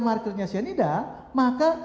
markernya cyanida maka